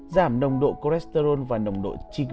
giảm nồng độ cholesterol và nồng độ triglycerin trong máu